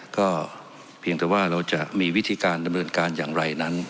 ก็เพียงแต่ว่าเราจะมีวิธีการดำเนินการอย่างไรนั้น